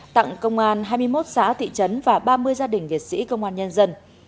tặng công an hai mươi một xã thị trấn và ba mươi gia đình việt sĩ công an nhân dân